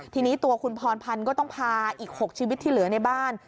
ทีนี้ตัวคุณพรพันธ์ก็ต้องพาอีก๖ชีวิตที่เหลือในบ้าน